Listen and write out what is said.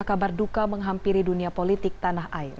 kabar duka menghampiri dunia politik tanah air